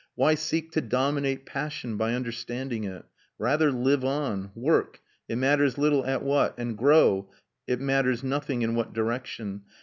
Why seek to dominate passion by understanding it? Rather live on; work, it matters little at what, and grow, it matters nothing in what direction.